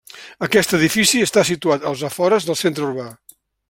Aquest edifici està situat als afores del centre urbà.